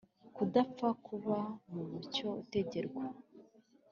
kudapfa k uba mu mucyo utegerwa